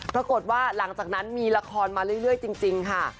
ปรากฏว่าหลังจากนั้นมีละครมาเรื่อยจริงค่ะ